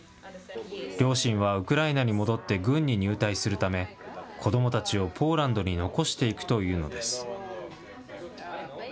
両親はウクライナに戻って軍に入隊するため、子どもたちをポーランドに残していくというのです。